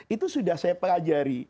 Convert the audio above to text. itu sudah saya pelajari